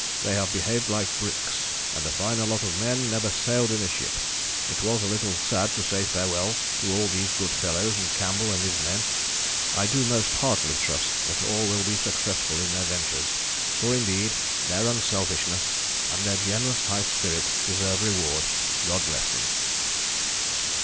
They have behaved like bricks, and a finer lot of men never sailed in a ship.... It was a little sad to say farewell to all these good fellows and Campbell and his men. I do most heartily trust that all will be successful in their ventures, for indeed their unselfishness and their generous high spirit deserve reward. God bless them."